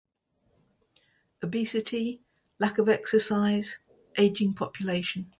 Obesity, lack of exercise, aging population.